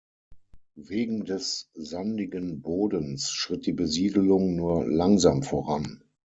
Wegen des sandigen Bodens schritt die Besiedelung nur langsam voran.